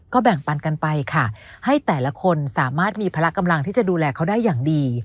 แบ่งปันกันไปค่ะให้แต่ละคนสามารถมีพละกำลังที่จะดูแลเขาได้อย่างดี